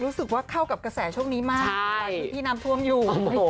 รู้สึกว่าเข้ากับกระแสช่วงนี้มากอันนี้พี่น้ำทวมอยู่